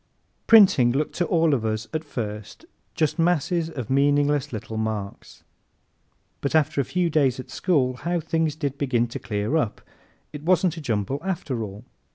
Printing looked to all of us at first just masses of meaningless little marks. But after a few days at school how things did begin to clear up! It wasn't a jumble after all.